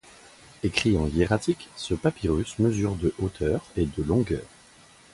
Écrit en hiératique, ce papyrus mesure de hauteur et de longueur.